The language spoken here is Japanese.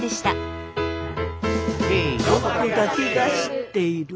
「ロコだけが知っている」。